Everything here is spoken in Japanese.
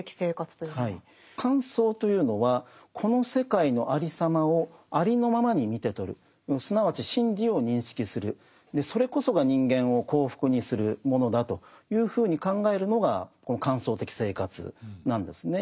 観想というのはこの世界のありさまをありのままに見て取るすなわち真理を認識するそれこそが人間を幸福にするものだというふうに考えるのがこの観想的生活なんですね。